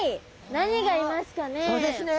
何がいますかね？